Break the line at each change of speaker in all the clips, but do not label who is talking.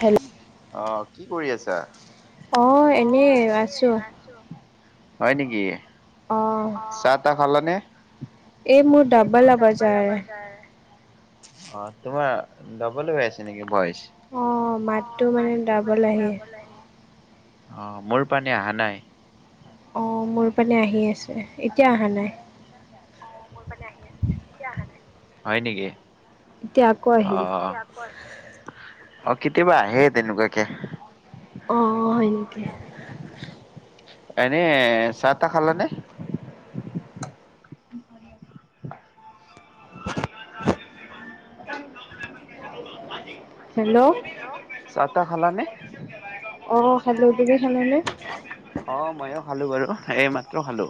Hello,
আহ কি কৰি আছা আহ এনেই আছো। হয় নেকি অ চাহ তাহ খাল নে।
এই মোৰ ডাবা লব জায়।
অ তোমাৰ ডবল হৈ আছে নেকি ভয়েজ,
অ মাতো মানে ডাবোল আহি আছে।
অঁ মোৰ পীনে অহা নাই।
অঁ মোৰ পিনে আহি আছে এতিয়া অহা নাই।
হয় নেকি।
এতিয়া আকৌ আহিল।
অ কেতিয়া বা আহে তেনেকুৱা কে, এনে চাহ তাহ খালা নে।
হয়,
[unintelligible]
হেল্ল',
চাহ তাহ খালা নে। অ ময়ো খালো বাৰু এইমাত্ৰ খালো।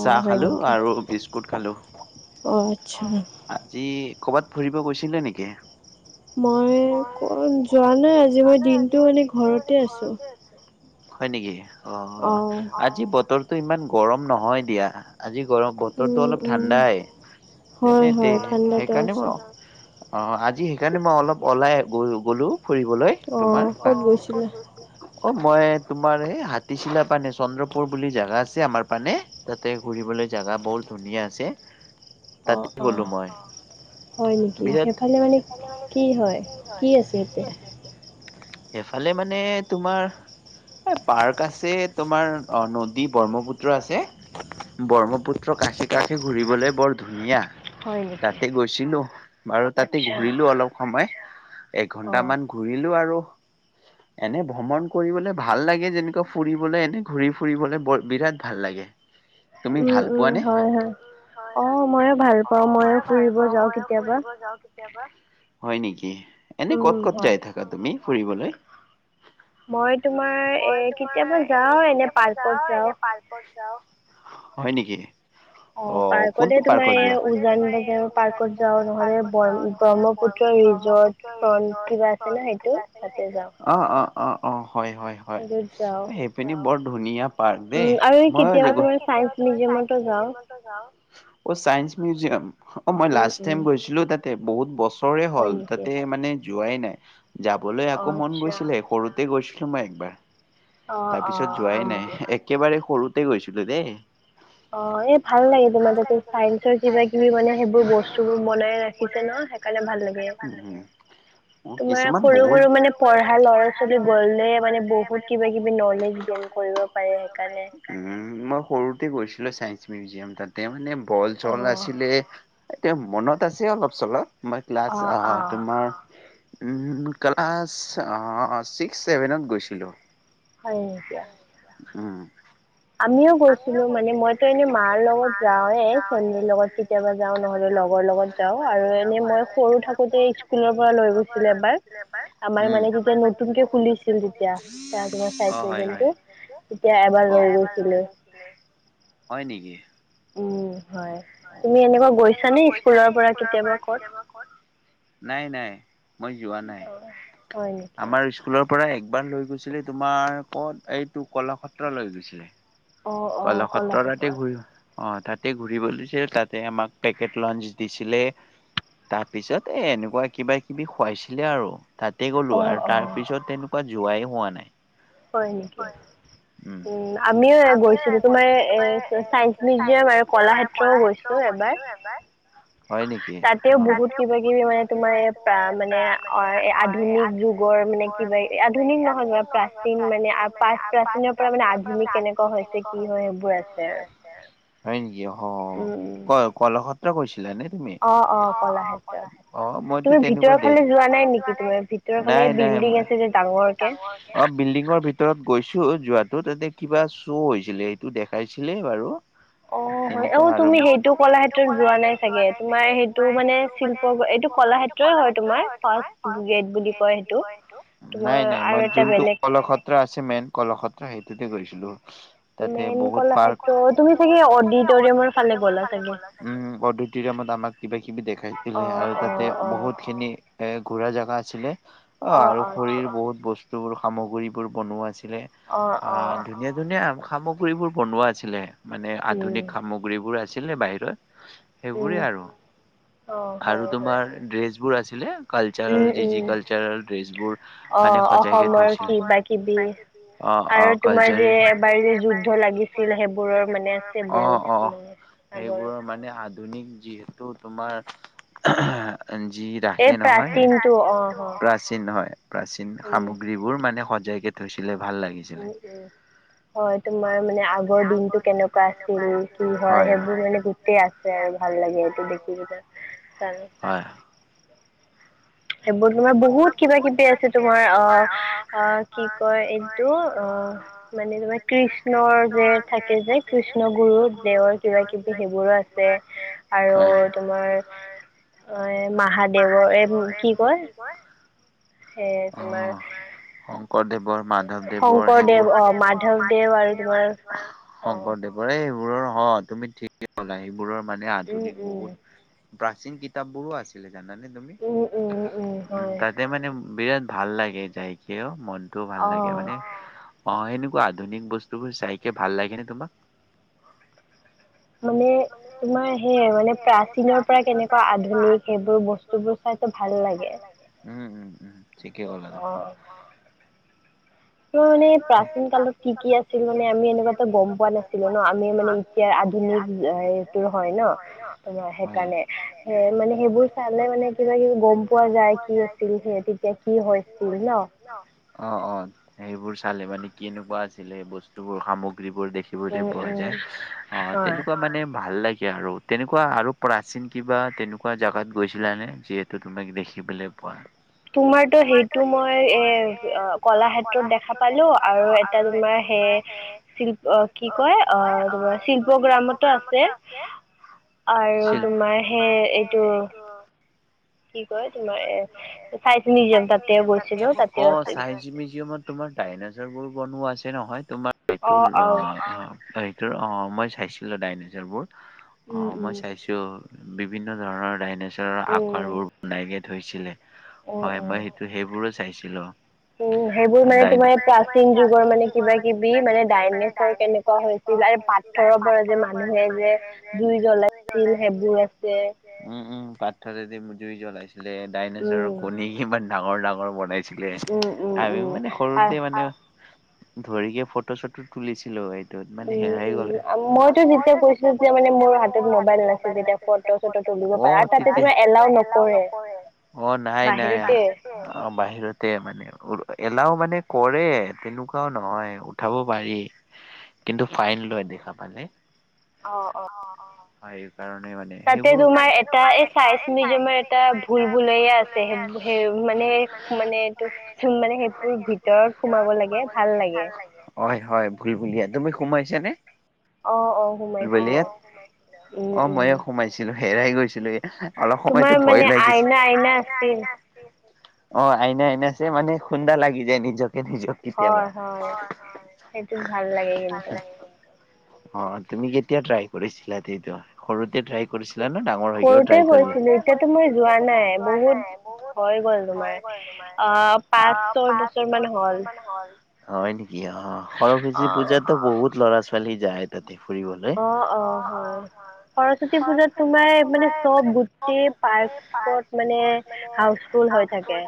চাহ খালো আৰু বিস্কুট খালো। আজি কৰ'বাত ফুৰিব গৈছিলা নেকি।
মই ক যোৱা নাই আজি মই দিনতটো মানে ঘৰতে আছো।
হয় নেকি অ অ আজি বতৰো ইমান গৰম নহয় দিয়া। আজি গৰম, বতৰটো অলপ ঠাণ্ডাই তেনে সেইকাৰণে মই অঁ, আজি সেইকাৰণে মই অলপ ওলাই গ গ'লো ফুৰিবলৈ।
অঁ, ক'ত গৈছিলে?
অঁ, মই তোমাৰ এই হাতীশিলা পানে চন্দ্ৰপুৰ বুলি জোগা আছে আমাৰ পানে তাতে, ঘুৰিবলৈ জাগা বহুত ধুনীয়া আছে।
অঁ অঁ হয় নেকি? সেইফালে মানে কি হয়, কি আছে তাতে?
সেফালে মানে তোমাৰ এ, পাৰ্ক আছে তোমাৰ অঁ, নদী ব্ৰহ্মপুত্ৰ আছে। ব্ৰহ্মপুত্ৰ কাষে কাষে ঘূৰিবলৈ বৰ ধুনীয়া। তাতে' গৈছিলো, আৰু তাতে ঘূৰিলো অলপ সময়। এঘন্টামান ঘূৰিলো আৰু এনে ভ্ৰমণ কৰিবলৈ ভাল লাগে, যেনেকুৱা ফুৰিবলে এনে ঘূৰি ফুৰিবলৈ বিৰাট ভাল লাগে। [inaudible]
উম' উম' হয় হয়। অঁ ময়ো ভাল পাওঁ। ময়ো ফুৰিব যাওঁ কেতিয়াবা।
কেতিয়াবা। হয় নেকি? এনে ক'ত ক'ত যাই থাকা তুমি ফুৰিবলৈ? মই তোমাৰ এ কেতিয়াবা যাও এনে পাৰ্কত যাওঁ। হয় নেকি?
অ' পাৰ্কতে তোমাৰ এই উজান বজাৰৰ পাৰ্কত যাওঁ, নহলে বৰ ব্ৰহ্মপুত্ৰ ৰিজৰ্ট ফ্ৰণ্ট কিবা আছে ন' সেইটো তাতে যাওঁ।
অ' অ' অ' অ' হয় হয় হয়। সেইপিনি বৰ ধুনীয়া
উম, আৰু এই কেতিয়াবা তোমাৰ ছাইন্স মিউজিয়ামতো যাওঁ।
অ চায়েঞ্চ মিউজিয়াম। অ, মই লাচ টাইম গৈছিলো তাতে বহুত বস বছৰেই হ'ল। হে মানে যোৱাই নাই। যাবলৈ আকৌ মন গৈছিলে সৰুতে গৈছিলো মই একবাৰ। তাৰপিছত যোৱাই নাই। একেবাৰে সৰুতে গৈছিলোঁ দেই।
অ' এই ভাল লাগে তোমাৰ তাতে চাইঞ্চৰ কিবা কিবি মানে, সেইবোৰ বস্তু বোৰ বনাই ৰাখিছে নহয় সে কাৰণে ভাল লাগে।
ভাল লাগে।
তোমাৰ সৰু সৰু মানে পঢ়া ল'ৰা- ছোৱালী গলে মানে, বহুত কিবা কিবি নলেজ গেন কৰিব পাৰে সেইকাৰণে
উম' মই সৰুতে গৈছিলো চাইন্স মিউজিয়াম তাতে মানে বল চল আছিলে। এতিয়া মনত আছে অলপ চলপ মই ক্লাছ আহ' তোমাৰ ওম, ক্লাছ ছিক্স ছেভেনত গৈছিলোঁ।
হয় হয় দিয়া।
উম'।
আমিও গৈছিলোঁ। মানে মইতো এনে মাৰ লগত যাওৱে ফেমিলিৰ লগত। কেতিয়াবা যাওঁ নহ'লে লগৰ লগত যাওঁ, আৰু এনেই মই সৰু থাকোঁতে স্কুলৰ পৰা লৈ গৈছিলে এবাৰ। আমাৰ মানে যেতিয়া নতুনকে খুলিছিল তেতিয়া, আ তোমাৰ চাইন্স মিউজিয়ামটো। তেতিয়া এবাৰ লৈ গৈছিলোঁ।
হয় নেকি?
উম' হয়, তুমি এনেকুৱা গৈছানে স্কুলৰ পৰা কেতিয়াবা ক'ত?
ক'ত নাই নাই মই যোৱা নাই আমাৰ স্কু স্কুলৰ পৰা একবাৰ লৈ গৈছিলে তোমাৰ ক'ত এইটো কলাক্ষত্ৰৰ লৈ গৈছিলে। কলাক্ষেত্ৰ তাতে ঘূৰিছোঁ। অ' তাতে ঘূৰিব দিছিল তাতে আমাক পেকেট লঞ্চ দিছিলে। তাৰ পিছত, এ এনেকুৱা কিবা কিবি খুৱাইছিলে আৰু। তাতে গ'লো, আৰু তাৰ পিছত তেনেকুৱা যোৱাই হোৱা নাই।
হয় নেকি? উম' আমিও গৈছিলো তোমাৰ এ চাইন্স মিউজিয়াম আৰু কলাক্ষেত্ৰত গৈছোঁ এবাৰ।।
হয় নেকি? তাতেও বহুত কিবা কিবি তোমাৰ ই মানে তাৰ মানে,
যুগৰ মানে কিবা আধুনিক নহয় প্ৰাচীন মানে, পাচ প্ৰাচীনৰ পৰা মানে আধুনিক কেনেকুৱা হৈছে, কি হয় সেইবোৰ আছে।
হয় নিকি‌? অহ।
উম উম।
ক কলক্ষেত্ৰ গৈছিলে নে? অ অ মইতো তেনেকুৱা দেশ নাই নাই অ। বিল্ডিঙৰ ভিতৰত গৈছো যোৱাতো তাতে কিবা চুৰ হৈছিলে সেইটো দেখাইছিলে বাৰু।
অ হয় অঔ তুমি সেইটো কলা ক্ষেত্ৰত যোৱা নাই চাগে তোমাৰ সেইটো মানে শিল্প এইটো কলাক্ষেত্ৰই হয় তোমাৰ ফাৰ্ষ গেট বুলি কয় সেইটো। তোমাৰ আৰু এটা বেলেগ।
সত্ৰ আছে মেইন কলসত্ৰ সেইটোতে গৈছিলো। তাতে বহুত পাৰ্ক তুমি অডিটৰিয়ামৰ ফালে ক'লা উ অডিটৰিয়ামত আমাক। কিবা কিবি দেখাইছিলে আৰু তাতে বহুত খিনি। এ ঘোৰা জেগা আছিলে অ আৰু খুৰিৰ বহুত বস্তু বোৰ সামগ্ৰীবোৰ বনোৱা আছিলে। অ ধুনীয়া ধুনীয়া সামগ্ৰীবোৰ বনোৱা আছিলে মানে আধুনিক সামগ্ৰী। গৰিবোৰ আছিল নে বাহিৰত সেইবোৰে আৰু। আৰু তোমাৰ ড্ৰেছ বোৰ আছিলে কালচাৰৰ যি যি কালচাৰেল ড্ৰেছবোৰ।
অঁ, অসমৰ কিবা কিবি। আৰু তোমাৰ যে এবাৰ যে যুদ্ধ লাগিছিল সেইবোৰৰ মানে আছে বহুত।
এইেবোৰৰ মানে আধুনিক যিহেতু, তোমাৰ যি। ৰাসে নহয় প্ৰাচীন হয় প্ৰাচীন সামগ্ৰী বোৰ মানে সজাইকে থৈছিলে ভাল লাগিছিলে।
হয় তোমাৰ মানে আগৰ দিনতটো কেনেকুৱা আছিল কি হয় সেইবোৰ মানে। আছে আৰু ভাল লাগে এইটো দেখি কিনে ছান। সেইবোৰ তোমাৰ বহুত কিবা কিবি আছে তোমাৰ অ কি কয় এইটো অঁ। মানে তোমাৰ কৃষ্ণৰ যে থাকে যে কৃষ্ণ গুৰু দেওৰ কিবা কিবি সেইবোৰো আছে। আছে আৰু তোমাৰ অ মাহাদেৱৰ এই কি কয়।
অঁ, শংকৰদেৱৰ। মাধৱদেৱৰ সেইবোৰ মাধৱদেৱ আৰু তোমাৰ শংকৰদেৱ। কৰে সেইবোৰৰ তুমি ঠিকে হলা সেইবোৰৰ মানে আধুনিক বহুত। প্ৰাচীন কিতাপ বোৰো আছিলে জানা নে তুমি? উ তাতে মানে বিৰাট ভাল লাগে যাইকিয়ও মনটোও ভাল লাগে মানে। অ সেনেকুৱা আধুনিক বস্তুবোৰ চাইকে ভাল লাগে নে তোমাক।
মানে তোমাৰ সেয়ে মানে প্ৰাচীনৰ পৰা কেনেকুৱা আধুনিক সেইবোৰ বস্তু। বস্তুবোৰ চাইতো ভাল লাগে
উম উম উম ঠিকে কলা
অঁ অহ এইটো মানে প্ৰাচীন কালত কি কি আছিল মানে আমি এনেকুৱাতো গম পোৱা নাছিলো ন আমি মানে এতিয়া আধুনিক এইটো হয় ন তোমাৰ সেইকাৰণে সেই মানে সেইবোৰ চালে মানে কিবা কিবি গম পোৱা যায় কি আছিল সে তেতিয়া কি হৈছিল ন
অ অ সেইবোৰ চালে মানে কেনেকুৱা আছিলে বস্তুবোৰ সামগ্ৰীবোৰ দেখ দেখিবলৈ পোৱা যায় তেনেকুৱা মানে ভাল লাগে আৰু তেনেকুৱা আৰু প্ৰাচীন কিবা তেনেকুৱা জেগাত গৈছিলানে যিহেতু তুমি দেখিবলে পোৱা। [unintelligible]
তোমাৰতো সেইটো মই এ অ কলা ক্ষেত্ৰত দেখা পালো আৰু এটা তোমাৰ সেই শিল্প কি কয় অ তোমাৰ শিল্প গ্ৰামত টো আছে আৰু তোমাৰ সেই এইটো কি কয় তোমাৰ এ চাইন্স মিউজিয়াম তাতে গৈছিলো তাতেও আছিল
ত মিউজিয়ামত তোমাৰ দাইনাছৰ বোৰ বনোৱা আছে নহয় তোমাৰ সেইটো অ হেইটোৰ অ মই চাইছিলো ডাইনেচৰ বোৰ অ মই চাইছোঁ বিভিন্ন ধৰণৰ ডাইনেচৰৰ আকাৰবোৰ বনাইকে থৈছিলে হয় মই সেইটো সেইবোৰো চাইছিলো
সেইবোৰ মানে তোমাৰ প্ৰাচীন যুগৰ মানে কিবা কিবি মানে ডাইনেছৰ কেনেকুৱা হৈছে শিলা পাথৰৰ পৰা যে মানুহে যে জুই জ্বলাইছিল সেইবোৰ আছে
উম উম পাথৰেদি জুই জ্বলাইছিলে ডাইনেছৰৰ কণী কিমান ডাঙৰ ডাঙৰ বনাইছিল ছিলে আমি মানে সৰুতে ধৰিকে ফটো চটো তুলিছিলো এই
উম উম মইতো যেতিয়া গৈছিলো তেতিয়া মানে মোৰ হাতত মোবাইল নাছিল তেতিয়া
অ তেতিয়া এতিয়া তুমি ফটো চতো মাৰিব পাৰা তাতে তোমাৰ এলাও নকৰে অ নাই নাই অ বাহিৰতে মানে উ এলাও মানে কৰে তেনেকুৱাও নহয় উঠাব পাৰি কিন্তু ফাইন লয় দেখা পালে
অ অ
অ অ হয় সেইকাৰনে মানে হেইবোৰ তাতে তোমাৰ এটা চাইন্স মিউজিয়ামৰ এটা বুলবুলেয়া আছে
মানে মানে এইটো মানে সেইবোৰ ভিতৰত সোমাব লাগে ভাল লাগে
হয় হয় ভুল ভুলিয়া তুমি সোমাইছা নে ভুল ভূলেইয়াত অ সোমাইছিলোঁ অ ময়ো সোমাইছিলো হেৰাই গৈছিলো ইয়াত অলপ সময়তো ভয় লাগিছে তোমাৰ মানে আইনা আইনা আছিল অ আইনা আইনা যে মানে খুন্দা লাগি যায় নিজকে নিজক
হয় হয় সেইটোত ভাল লাগে কিন্তু
অ তুমি কেতিয়া ট্ৰাই কৰিছিলা এইটো সৰুতে ট্ৰাই কৰিছিলা নে ডাঙৰ হৈ কেও ট্ৰাই কৰিছিলা টল সৰুতে কৰিচিলো এতিয়া টো মই যোৱা নাই বহুত
হৈ গল তোমাৰ অ
অ পাঁচ ছয় বছৰ মান হল হয় নেকি ই সৰস্বতী পূজাতো বহুত ল'ৰা ছোৱালী যায়
অ অ হয় সৰস্বতী পূজাত তোমাৰ মানে চব গোটেই পাৰ্কত মানে হাউচফুল হৈ থাকে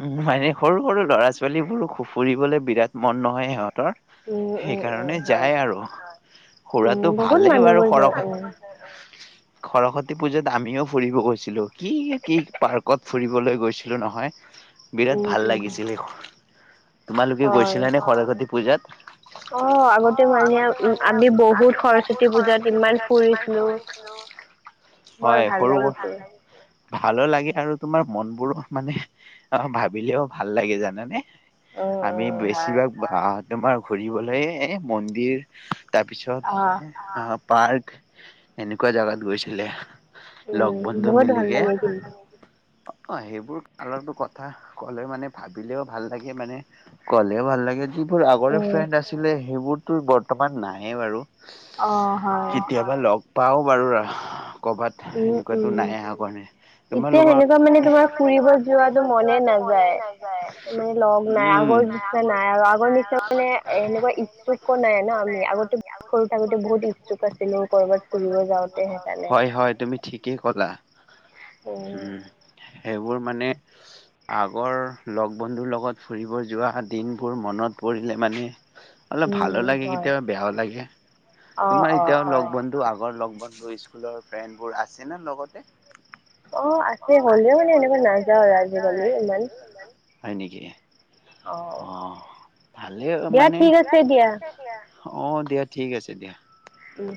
উম মানে সৰু সৰু ল'ৰা-ছোৱালীবোৰ ফু ফুৰিবলে বিৰাট মন নহয় সিহঁতৰ। সেইকাৰণে যায় আৰু ফুৰাতটো ভালেই বাৰু সৰক [inaudible] সৰস্বতী পুজাত আমিও ফুৰিব গৈছিলো। কি কি পাৰ্কত ফুৰিবলৈ গৈছিলো নহয়। বিৰাট ভাল লাগিছিল। তোমালোকে গৈছিলানে সৰস্বতী পূজাত?
অ আগতে মানে উ আমি বহুত সৰস্বতী পুজাত ইমান ফুৰিছিলো।
[inaudible]
বৰ ভাল লাগিছে।
ভালো লাগে আৰু তোমাৰ মনবোৰো মানে অ ভাবিলেও ভাল লাগে জানানে, আমি বেছিভাগ আ তোমাৰ ঘুৰিবলৈ এ মন্দিৰ তাৰ পিছত অ পাৰ্ক এনেকুৱা জেগাত গৈছিলে। লগ বন্ধু মিলিগে। অ সেইবোৰ কালতো কথা কথা ক'লে মানে ভাবিলেও ভাল লাগে মানে ক'লেও ভাল লাগে যিবোৰ আগৰে ফ্ৰেণ্ড আছিলে সেইবোৰতো বৰ্তমান নাহে বাৰু।
অ হয়।
লগ পাও বাৰু কৰবাত সেনেকুৱাতো নাহে। তোমাৰ লোকৰ জাব মনে নাযায়। লগ নাই আগৰ নিচিনা মানে এনেকুৱা উৎচুকো নাই ন আমি, আগতে সৰু থাকোঁতে বহুতো উৎচুক আছিলো কৰোবাত ফুৰিব যাওঁতে। হয় হয় তুমি ঠিকেই কলা উম সেইবোৰ মানে আগৰ লগ বন্ধুৰ লগত ফুৰিব যোৱা দিনবোৰ মনত পৰিলে মানে অলপ ভালো লাগে কেতিয়াবা বেয়াও লাগে। তোমাৰ এতিয়াও লগ বন্ধ টো আগৰ লগ বন্ধু স্কুলৰ ফ্ৰেণ্ড বোৰ আছে ন লগতে?
অ আছে হ'লেও মানে এনেকুৱা নাযাওঁ আৰু আজিকালি ইমান।
হয় নেকি।
অ দিয়া ঠিক আছে দিয়া।
অ দিয়া ঠিক আছে দিয়া।
উম।